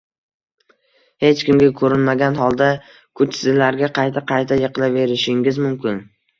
hech kimga ko’rinmagan holda kuchsizlarga qayta-qayta yiqilaverishingiz mumkin